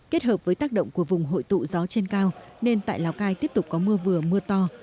kết hợp với tác động của vùng hội tụ gió trên cao nên tại lào cai tiếp tục có mưa vừa mưa to